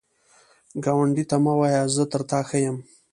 ګاونډي ته مه وایه “زه تر تا ښه یم”